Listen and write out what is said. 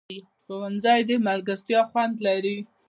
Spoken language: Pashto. ښوونځی د ملګرتیا خوند لري